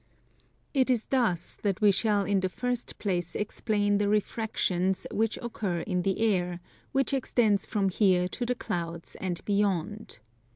It is thus that we shall in the first place explain the refractions which occur in the air, which extends from here to the clouds and beyond.